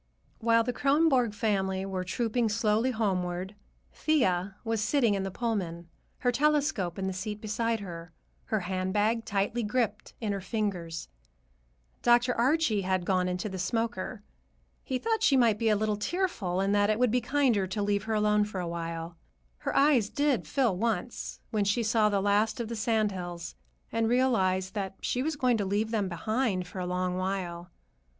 While the Kronborg family were trooping slowly homeward, Thea was sitting in the Pullman, her telescope in the seat beside her, her handbag tightly gripped in her fingers. Dr. Archie had gone into the smoker. He thought she might be a little tearful, and that it would be kinder to leave her alone for a while. Her eyes did fill once, when she saw the last of the sand hills and realized that she was going to leave them behind for a long while.